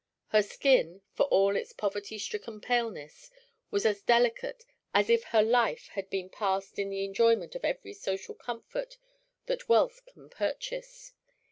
Her skin, for all its poverty stricken paleness, was as delicate as if her life had been passed in the enjoyment of every social comfort that wealth can purchase.